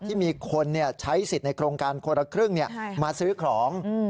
ที่มีคนใช้สิทธิ์ในโครงการคนละครึ่งมาซื้อของ